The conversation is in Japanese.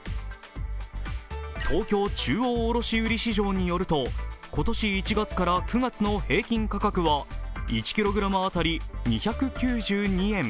東京中央卸売市場によると、今年１月から９月の平均価格は１ｋｇ当たり２９２円。